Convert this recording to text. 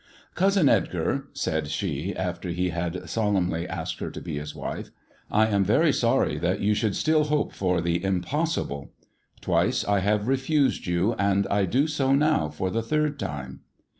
" Cousin Edgar," said she, after he had solemnly asked her to be his wife, " I am very sorry that you should still hope for the impossible. Twice I have refused you, and I do so now for the third time."